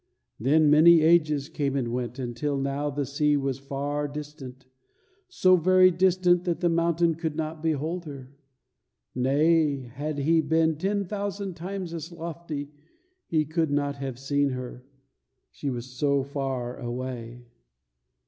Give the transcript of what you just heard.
Then many ages came and went, until now the sea was far distant, so very distant that the mountain could not behold her, nay, had he been ten thousand times as lofty he could not have seen her, she was so far away.